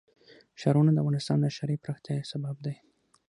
ښارونه د افغانستان د ښاري پراختیا یو سبب دی.